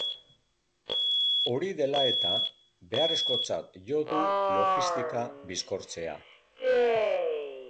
Hori dela eta, beharrezkotzat jo du logistika bizkortzea.